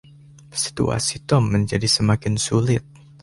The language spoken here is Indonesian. Situasi Tom menjadi semakin sulit.